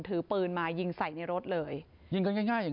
ถือปืนมายิงใส่ในรถเลย